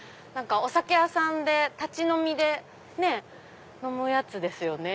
お酒屋さんで立ち飲みで飲むやつですよね。